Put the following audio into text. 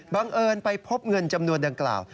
เอิญไปพบเงินจำนวนดังกล่าว